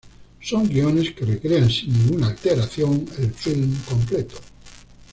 Son guiones que recrean sin ninguna alteración el film completo.